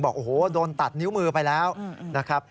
บอกโอ้โหโดนตัดนิ้วมือไปแล้วนะครับ